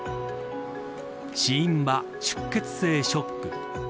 死因は出血性ショック。